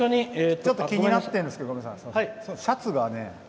ちょっと気になってるんですけどシャツがね